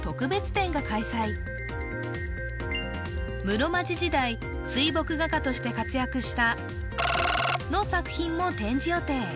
室町時代水墨画家として活躍した○○の作品も展示予定